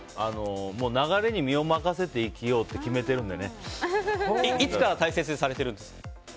流れに身を任せて生きようっていつから大切にされてるんですか。